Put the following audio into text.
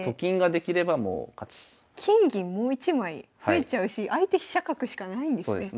もう一枚増えちゃうし相手飛車角しかないんですね。